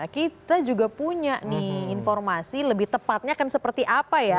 kita juga punya nih informasi lebih tepatnya akan seperti apa ya